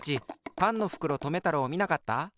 パンのふくろとめたろうをみなかった？